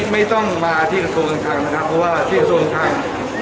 ไม่ต้องมาที่ขัมโทคลังทางเพราะว่าที่ขัมโทคลังทาง